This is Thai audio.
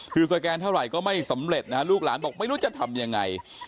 คือสแกนเท่าไหร่ก็ไม่สำเร็จนะฮะลูกหลานบอกไม่รู้จะทำยังไง